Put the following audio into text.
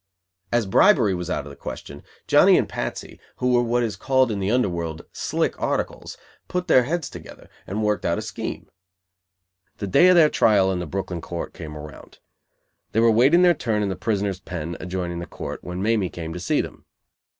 As bribery was out of the question, Johnny and Patsy, who were what is called in the underworld "slick articles," put their heads together, and worked out a scheme. The day of their trial in the Brooklyn Court came around. They were waiting their turn in the prisoner's "pen," adjoining the Court, when Mamie came to see them.